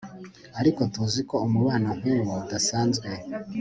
Ariko tuzi ko umubano nkuwo udasanzwe